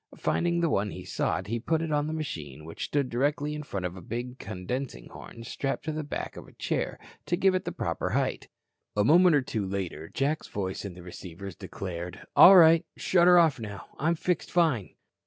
Finding the one he sought, he put it on the machine which stood directly in front of a big condensing horn strapped to the back of a chair to give it the proper height. A moment or two later, Jack's voice in the receivers declared: "All right. Shut her off now. I'm fixed fine."